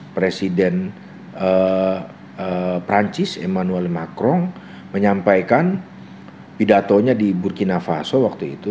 presiden perancis emmanuel macron menyampaikan pidatonya di burkina faso waktu itu